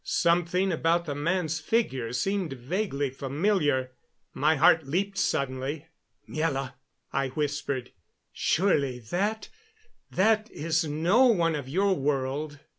Something about the man's figure seemed vaguely familiar; my heart leaped suddenly. "Miela," I whispered, "surely that that is no one of your world."